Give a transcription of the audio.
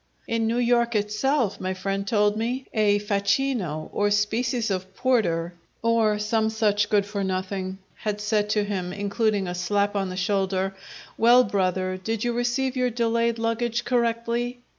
In New York itself, my friend told me, a facchino, or species of porter, or some such good for nothing, had said to him, including a slap on the shoulder, "Well, brother, did you receive your delayed luggage correctly?"